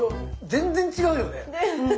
全然違うよ！